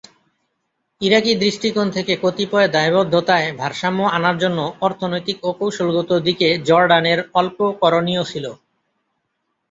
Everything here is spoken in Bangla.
ইরাকি দৃষ্টিকোণ থেকে কতিপয় দায়বদ্ধতায় ভারসাম্য আনার জন্য অর্থনৈতিক ও কৌশলগত দিকে জর্ডানের অল্প করণীয় ছিল।